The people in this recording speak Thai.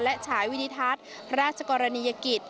และฉายวินิทัศน์พระราชกรณียกิจ